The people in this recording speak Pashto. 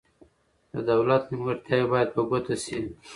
د دولت نیمګړتیاوې باید په ګوته شي.